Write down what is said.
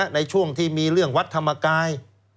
ในช่วงที่มีเรื่องวัดธรรมกาย